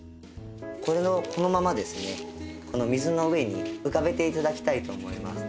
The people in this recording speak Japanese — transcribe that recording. このままですね水の上に浮かべて頂きたいと思います。